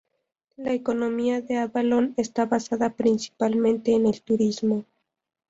La economía de Avalon está basada principalmente en el turismo.